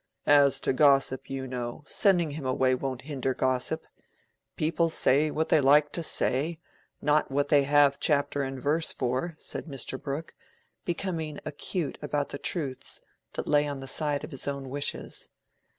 As to gossip, you know, sending him away won't hinder gossip. People say what they like to say, not what they have chapter and verse for," said Mr Brooke, becoming acute about the truths that lay on the side of his own wishes.